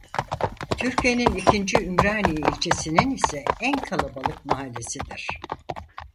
Türkiye'nin ikinci Ümraniye ilçesinin ise en kalabalık mahallesidir.